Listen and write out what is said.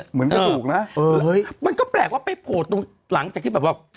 กระดูกนะเออมันก็แปลกว่าไปโผล่ตรงหลังจากที่แบบว่า